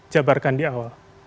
jabarkan di awal